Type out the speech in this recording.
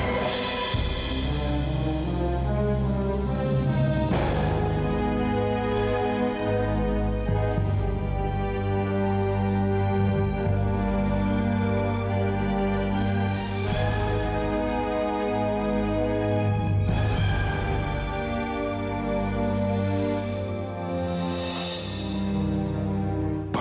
saya akan menjaga bapak